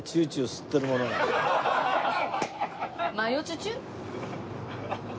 マヨチュチュ？